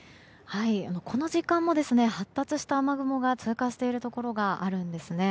この時間も発達した雨雲が通過しているところがあります。